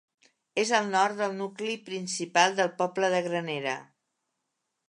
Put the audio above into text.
És al nord del nucli principal del poble de Granera.